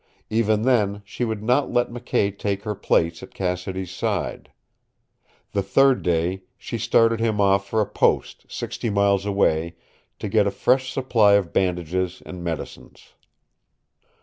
Even then she would not let McKay take her place at Cassidy's side. The third day she started him off for a post sixty miles away to get a fresh supply of bandages and medicines.